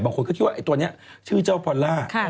คนก็คิดว่าไอ้ตัวนี้ชื่อเจ้าพอลล่า